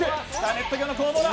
ネット上の攻防だ。